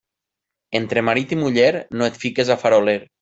Entre marit i muller, no et fiques a faroler.